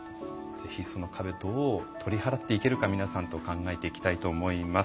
ぜひその壁どう取り払っていけるか皆さんと考えていきたいと思います。